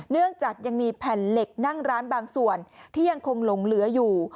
เนื่องจากยังมีแผ่นเหล็กนั่งร้านบางส่วนที่ยังคงหลงเหลืออยู่